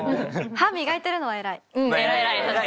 歯磨いているのは偉い。